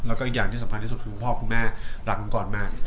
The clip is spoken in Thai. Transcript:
แล้วก็อีกอย่างที่สำคัญที่สุดคือคุณพ่อคุณแม่รักผมก่อนมาก